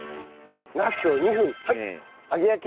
ナスを２分揚げ焼き？